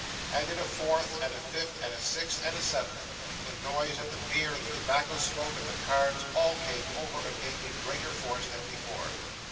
And in a fourth, and a fifth, and a sixth, and a seventh, the noise, and the beer, and the tobacco smoke, and the cards, all came over again in greater force than before.